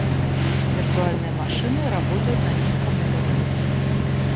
Виртуальные машины работают на низком уровне